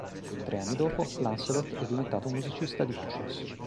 Tre anni dopo, Lancelot è diventato un musicista di successo.